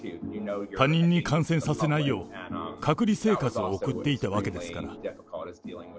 他人に感染させないよう、隔離生活を送っていたわけですから。